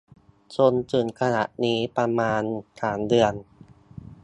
จนถึงขณะนี้ประมาณสามเดือน